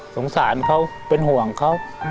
สงสารเขาเป็นห่วงเขา